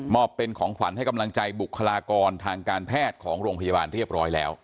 อบเป็นของขวัญให้กำลังใจบุคลากรทางการแพทย์ของโรงพยาบาลเรียบร้อยแล้ว